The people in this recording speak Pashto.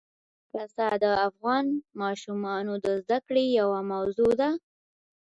پسه د افغان ماشومانو د زده کړې یوه موضوع ده.